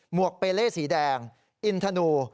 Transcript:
วกเปเล่สีแดงอินทนู